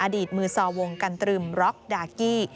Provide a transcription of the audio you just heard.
อดีตมือซอวงกันตรึมร็อกดากี้